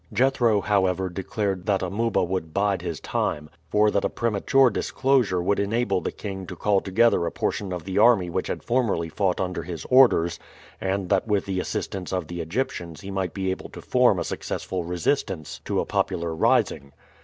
Jethro, however, declared that Amuba would bide his time, for that a premature disclosure would enable the king to call together a portion of the army which had formerly fought under his orders, and that with the assistance of the Egyptians he might be able to form a successful resistance to a popular rising.